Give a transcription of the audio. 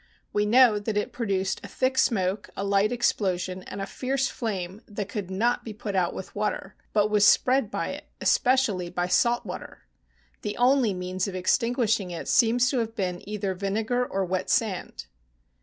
We know that it pro duced a thick smoke, a light explosion, and a fierce flame that could not be put out with water, but was spread by it, especially by salt water. The only means of extinguishing it seems to have been either vinegar or wet sand.